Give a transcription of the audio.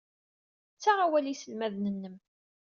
Ttaɣ awal i yiselmaden-nnem.